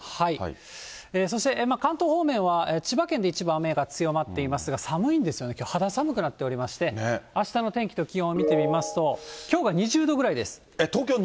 そして、関東方面は、千葉県で一部雨が強まっていますが、寒いんですよね、きょう、肌寒くなっておりまして、あしたの天気と気温、見てみますと、きょうが２０度ぐらいです。